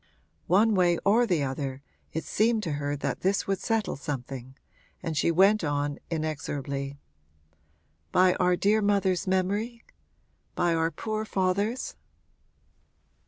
One way or the other it seemed to her that this would settle something, and she went on inexorably 'By our dear mother's memory by our poor father's?'